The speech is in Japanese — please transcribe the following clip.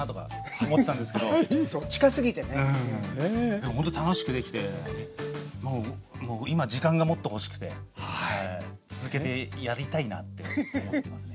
でもほんと楽しくできてもう今時間がもっと欲しくて続けてやりたいなって思ってますね。